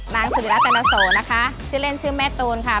นางสุริรัตนโสนะคะชื่อเล่นชื่อแม่ตูนค่ะ